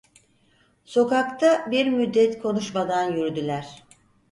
Sokakta bir müddet konuşmadan yürüdüler.